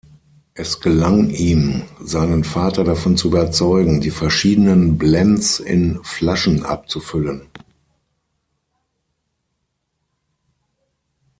Es gelang ihm, seinen Vater davon zu überzeugen, die verschiedenen Blends in Flaschen abzufüllen.